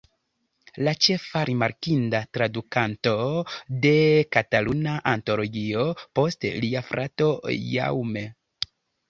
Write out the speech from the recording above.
La ĉefa rimarkinda tradukanto de Kataluna Antologio post lia frato Jaume.